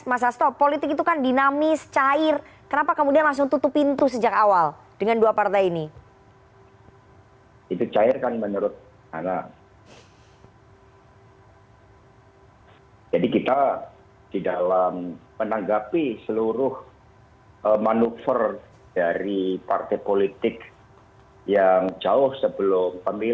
mas hasto politik itu kan dinamis cair kenapa kemudian langsung tutup pintu sejak awal dengan dua partai ini